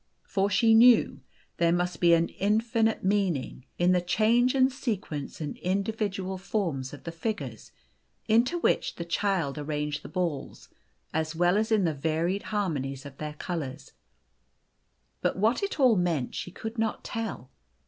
O *' For she knew there must be an infinite meaning in the change and sequence and individual forms of the fig ures into which the child arranged the balls, as well as in the varied harmonies of their colours, but what it all meant she could not tell.